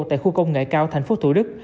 tại khu công nghệ cao thành phố thủ đức